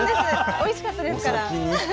おいしかったですから。